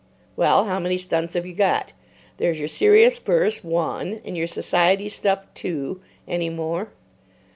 "Well, how many stunts have you got? There's your serious verse—one. And your Society stuff—two. Any more?"